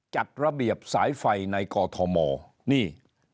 จัดระเบียบสายไฟในกอทมนี่